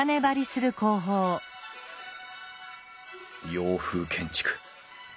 洋風建築。